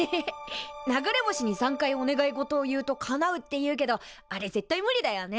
流れ星に３回お願い事を言うとかなうっていうけどあれ絶対無理だよね。